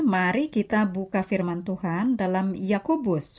mari kita buka firman tuhan dalam iyakubus